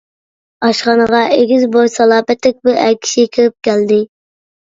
ئاشخانىغا ئېگىز بوي، سالاپەتلىك بىر ئەر كىشى كىرىپ كەلدى.